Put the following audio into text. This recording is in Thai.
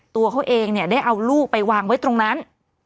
ตัวเขาเองเนี่ยได้เอาลูกไปวางไว้ตรงนั้น